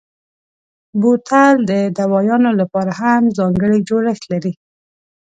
بوتل د دوایانو لپاره هم ځانګړی جوړښت لري.